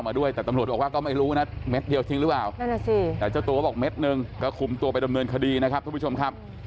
นั่นแหละสิแต่เจ้าตัวบอกเม็ดหนึ่งก็ขุมตัวไปดำเนินคดีนะครับทุกผู้ชมครับ